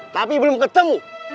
tapi belum ketemu